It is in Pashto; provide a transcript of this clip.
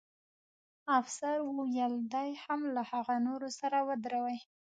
افسر وویل: دی هم له هغه نورو سره ودروئ.